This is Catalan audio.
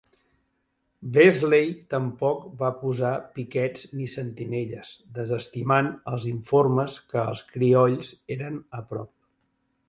Beasley tampoc va posar piquets ni sentinelles, desestimant els informes que els criolls eren a prop.